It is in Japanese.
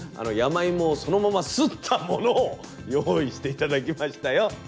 山いもをそのまますったものを用意して頂きましたよ。